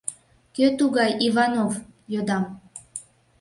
— Кӧ тугай Иванов? — йодам.